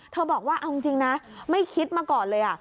บอกว่าเอาจริงนะไม่คิดมาก่อนเลย